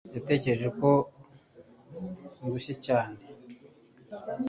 Yatekereje ko ndushye cyane